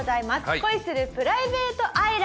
『恋するプライベートアイランド』